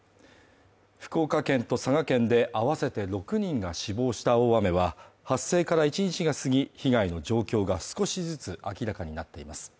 福岡県と佐賀県で合わせて６人が死亡した大雨は発生から１日が過ぎ、被害の状況が少しずつ明らかになっています。